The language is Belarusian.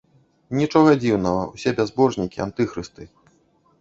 Нічога дзіўнага, усе бязбожнікі, антыхрысты.